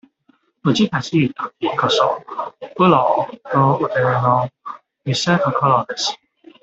むずかしいときこそ、プロの腕の見せ所です。